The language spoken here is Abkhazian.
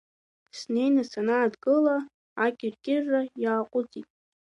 Снеины санаадгыла, акьыркьырра иааҟәыҵит.